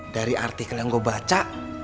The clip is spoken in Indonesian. dari artikel yang gue baca